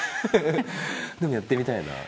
でもやってみたいなあ。